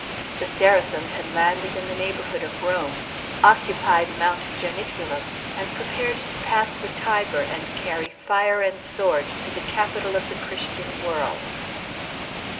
The Saracens had landed in the neighborhood of Rome, occupied Mount Janiculum, and prepared to pass the Tiber and carry fire and sword to the capital of the Christian world.